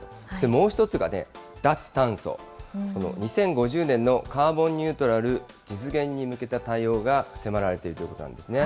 もう一つが、脱炭素、この２０５０年のカーボンニュートラル実現に向けた対応が迫られているということなんですね。